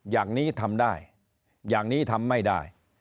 อย่างนี้ทำได้อย่างนี้ทำไม่ได้